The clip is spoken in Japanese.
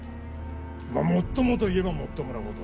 まあ、もっともと言えばもっともなこと。